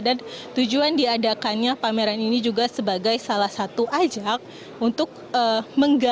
dan tujuan diadakannya pameran ini juga sebagai salah satu ajak untuk menggayat